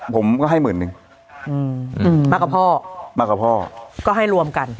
ผมก็ให้หมื่นหนึ่งอืมมากกว่าพ่อมากกว่าพ่อก็ให้รวมกัน